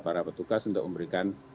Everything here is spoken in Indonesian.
para petugas untuk memberikan